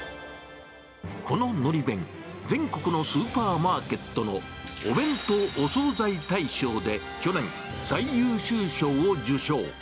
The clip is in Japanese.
こののり弁、全国のスーパーマーケットのお弁当・お惣菜大賞で去年、最優秀賞を受賞。